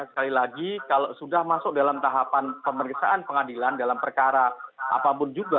sekali lagi kalau sudah masuk dalam tahapan pemeriksaan pengadilan dalam perkara apapun juga